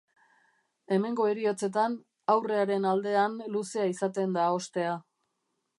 Hemengo heriotzetan, aurrearen aldean luzea izaten da ostea.